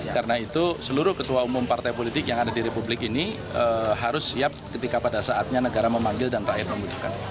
karena itu seluruh ketua umum partai politik yang ada di republik ini harus siap ketika pada saatnya negara memanggil dan rakyat membutuhkan